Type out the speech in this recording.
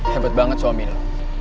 hebat banget suami lo